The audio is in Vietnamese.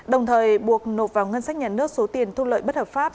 đồng thời buộc nộp vào ngân sách nhà nước số tiền thu lợi bất hợp pháp